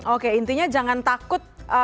oke intinya jangan takut